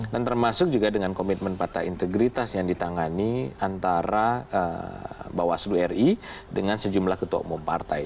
dan termasuk juga dengan komitmen fakta integritas yang ditangani antara bawaslu ri dengan sejumlah ketua umum partai